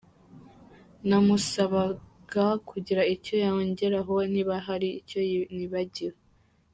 Namusabaga kugira icyo yongeraho niba hari icyo nibagiwe.